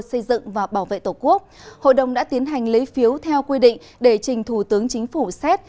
xây dựng và bảo vệ tổ quốc hội đồng đã tiến hành lấy phiếu theo quy định để trình thủ tướng chính phủ xét